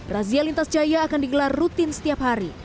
razia lintas jaya akan digelar rutin setiap hari